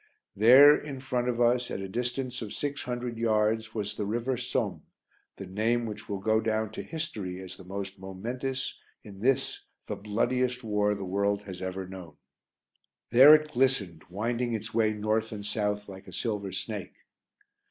There, in front of us, at a distance of six hundred yards, was the river Somme the name which will go down to history as the most momentous in this the bloodiest war the world has ever known. There it glistened, winding its way north and south like a silver snake.